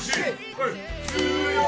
はい。